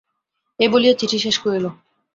এই বলিয়া চিঠি শেষ করিল।